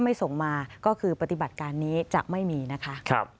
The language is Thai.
ไม่ส่งมาก็คือปฏิบัติการนี้จะไม่มีนะคะ